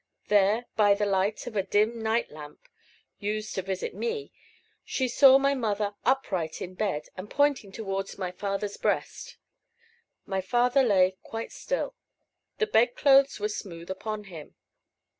There, by the light of a dim night lamp, used to visit me, she saw my mother upright in the bed, and pointing towards my father's breast. My father lay quite still; the bed clothes were smooth upon him.